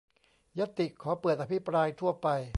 ญัตติขอเปิดอภิปรายทั่วไป